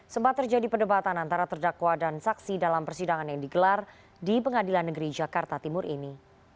sempat terjadi perdebatan antara terdakwa dan saksi dalam persidangan yang digelar di pengadilan negeri jakarta timur ini